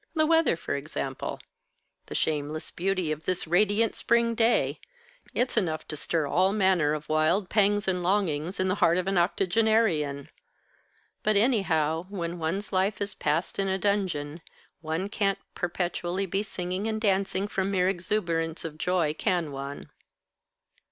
The weather, for example. The shameless beauty of this radiant spring day. It's enough to stir all manner of wild pangs and longings in the heart of an octogenarian. But, anyhow, when one's life is passed in a dungeon, one can't perpetually be singing and dancing from mere exuberance of joy, can one?"